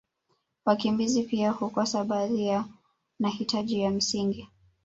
wakimbizi pia hukosa baadhi ya nahitaji ya msingi